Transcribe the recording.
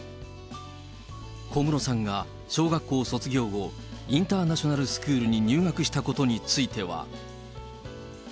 小室さんが小学校卒業後、インターナショナルスクールに入学したことについては。